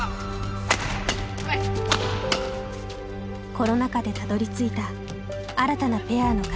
コロナ禍でたどりついた新たなペアの形。